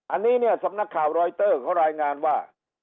อันนี้เนี่ยสำนักข่าวรอยเตอร์เขารายงานว่า